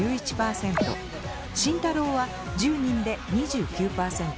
慎太郎は１０人で２９％。